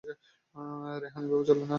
রেহান এভাবে বলে না।